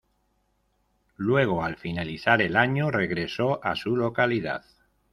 Luego al finalizar el año regresó a su localidad.